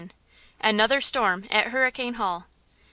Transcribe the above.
ANOTHER STORM AT HURRICANE HALL.